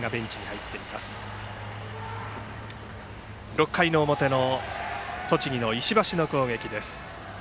６回表の栃木の石橋の攻撃です。